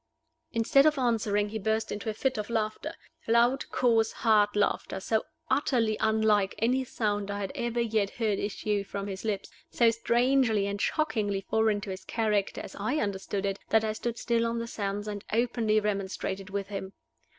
Instead of answering, he burst into a fit of laughter loud, coarse, hard laughter, so utterly unlike any sound I had ever yet heard issue from his lips, so strangely and shockingly foreign to his character as I understood it, that I stood still on the sands and openly remonstrated with him.